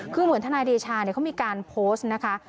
คือเหมือนทนายเดชาเขามีการโพสต์นะคะ